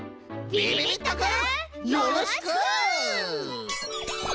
びびびっとくんよろしく！